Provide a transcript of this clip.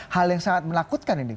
hal yang sangat menakutkan ini